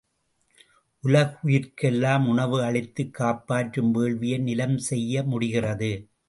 உலகுயிர்க்கெல்லாம் உணவு அளித்துக் காப்பாற்றும் வேள்வியை நிலம் செய்ய முடிகிறது.